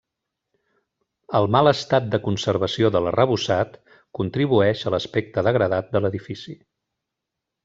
El mal estat de conservació de l'arrebossat contribueix a l'aspecte degradat de l'edifici.